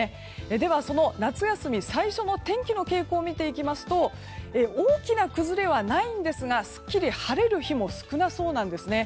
では、その夏休み最初の天気の傾向を見ていきますと大きな崩れはないんですがすっきり晴れる日も少なそうなんですね。